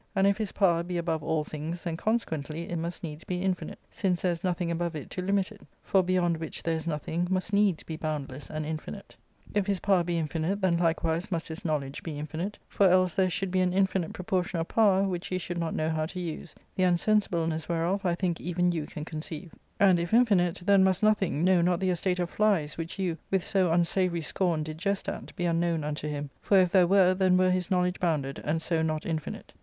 And if his power be above all things, then, consequently, it must needs be infinite, since there is nothing above it to limit it; for beyond which there is nothing must needs be boundless and infinite. If his power be infinite, then likewise must his knowledge be infinite; for else there should be an infinite proportion of power which he should not know how to use, the unsensibleness whereof I think even you can conceive ; and if infinite, then must nothing, no, not the estate of flies, which you, with so un savoury scorn, did jest at, be unknown unto him ; for if there were, then were his knowledge bounded, and so not infinite.